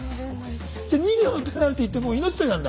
じゃあ２秒のペナルティーってもう命取りなんだ。